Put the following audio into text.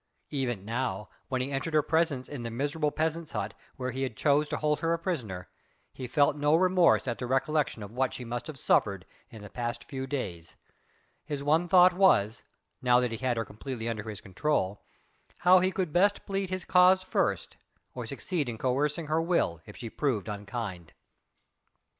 Even now, when he entered her presence in the miserable peasant's hut where he chose to hold her a prisoner, he felt no remorse at the recollection of what she must have suffered in the past few days; his one thought was now that he had her completely under his control how he could best plead his cause first, or succeed in coercing her will if she proved unkind.